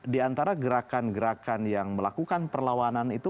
di antara gerakan gerakan yang melakukan perlawanan itu